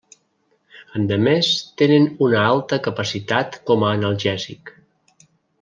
Endemés tenen una alta capacitat com a analgèsic.